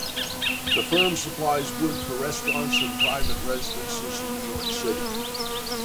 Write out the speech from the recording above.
The firm supplies wood for restaurants and private residences in New York City.